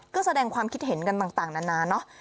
ก็แสดงความคิดเห็นกันต่างนานาเนอะ